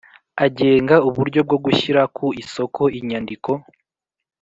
.Agenga uburyo bwo gushyira ku isoko inyandiko.